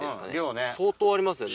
相当ありますよね。